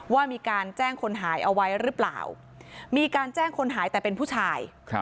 ว่ามีการแจ้งคนหายเอาไว้หรือเปล่ามีการแจ้งคนหายแต่เป็นผู้ชาย